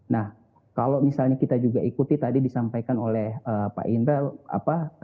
nah kalau misalnya kita juga ikuti tadi disampaikan oleh pak indra apa